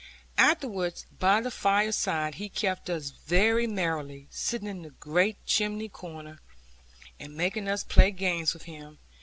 Afterwards by the fireside he kept us very merry, sitting in the great chimney corner, and making us play games with him.